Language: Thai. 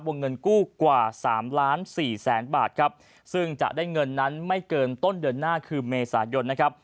เงินกู้กว่าสามล้านสี่แสนบาทครับซึ่งจะได้เงินนั้นไม่เกินต้นเดือนหน้าคือเมษายนนะครับ